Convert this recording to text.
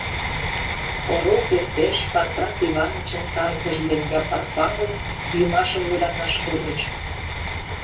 Орол пӧртеш Панкрат Иванычын тарзыж ден Япар Павыл йӱмашым вуйлаташ кодыч...